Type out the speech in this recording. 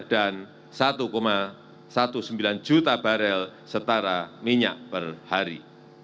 dan satu sembilan belas juta barrel setara minyak per hari